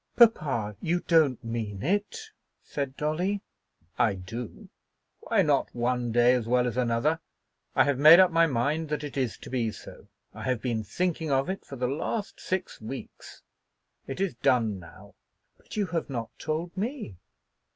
"Papa, you don't mean it!" said Dolly. "I do. Why not one day as well as another? I have made up my mind that it is to be so. I have been thinking of it for the last six weeks. It is done now." "But you have not told me."